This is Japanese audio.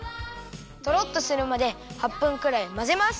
とろっとするまで８分くらいまぜます。